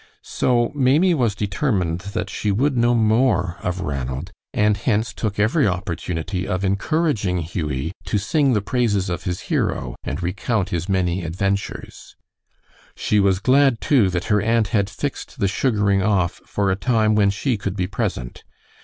So Maimie was determined that she would know more of Ranald, and hence took every opportunity of encouraging Hughie to sing the praises of his hero and recount his many adventures. She was glad, too, that her aunt had fixed the sugaring off for a time when she could be present.